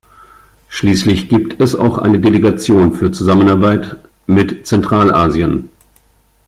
Schließlich gibt es auch eine Delegation für Zusammenarbeit mit Zentralasien.